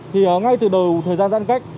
thì ngay từ đầu thời gian giãn cách